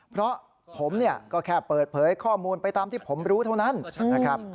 เพราะผมเนี่ยก็แค่เปิดเผยข้อมูลไปตามที่ผมรู้เท่านั้นนะครับ